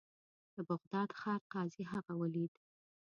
د بغداد ښار قاضي هغه ولید.